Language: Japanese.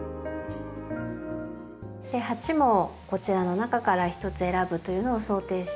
鉢もこちらの中からひとつ選ぶというのを想定して。